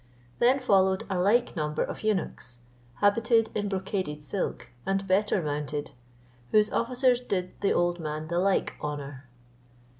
Then followed a like number of eunuchs, habited in brocaded silk, and better mounted, whose officers did the old man the like honour.